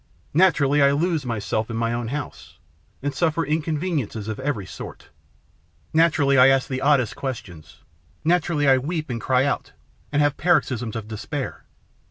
Naturally I lose myself in my own house, and suffer inconveniences of every sort. Naturally I ask the oddest questions. Naturally I weep and cry out, and have paroxysms of despair.